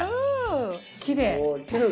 きれい。